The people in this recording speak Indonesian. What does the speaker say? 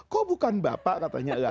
kok bukan bapak katanya